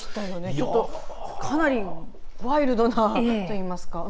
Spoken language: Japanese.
ちょっと、かなりワイルドなといいますか。